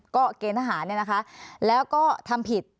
ก็เกณฑ์ทหารแล้วก็ทำผิด